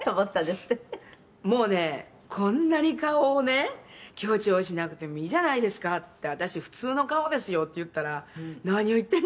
「もうね“こんなに顔をね強調しなくてもいいじゃないですか”って“私普通の顔ですよ”って言ったら“何を言ってんですか！